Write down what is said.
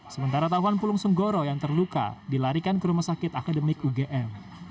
sementara taufan pulung sunggoro yang terluka dilarikan ke rumah sakit akademik ugm